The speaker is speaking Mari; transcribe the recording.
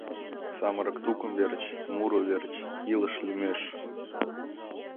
Самырык тукым верч, муро верч, илыш лӱмеш